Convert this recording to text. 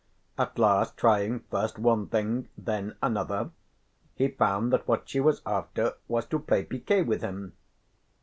At last, trying first one thing, then another, he found that what she was after was to play piquet with him.